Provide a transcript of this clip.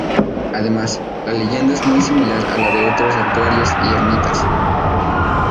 Además, la leyenda es muy similar a la de otros santuarios y ermitas.